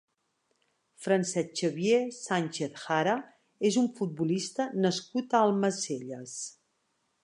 Francesc Xavier Sánchez Jara és un futbolista nascut a Almacelles.